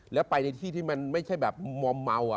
แล้วไปในที่ที่มันไม่ใช่แบบมอมเมา